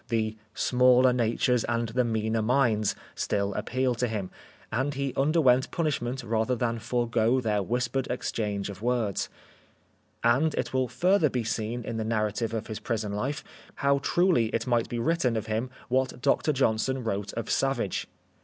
" The smaller natures and the meaner minds" still appealed to him, and he underwent punishment rather than forego their whispered exchange of words. And it will further be seen in the narrative viii Preface of his prison life how truly it might be written of him what Dr Johnson wrote of Savage